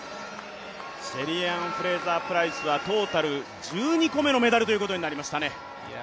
シェリーアン・フレイザー・プライスはトータル１２個目のメダルとなりましたね。